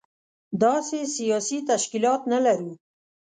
داسې سياسي تشکيلات نه لرو.